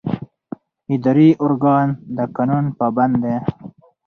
اداري ارګان د قانون پابند دی.